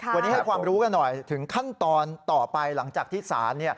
วันนี้ให้ความรู้กันหน่อยถึงขั้นตอนต่อไปหลังจากที่ศาล